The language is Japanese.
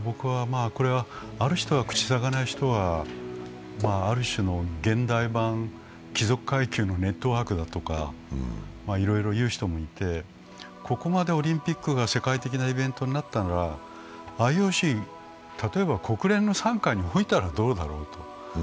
ある人は口さがない人は、ある種の現代版貴族階級のネットワークだとか、いろいろ言う人もいて、ここまでオリンピックが世界的なイベントになったなら、ＩＯＣ、例えば国連の傘下に置いたらどうだろうと。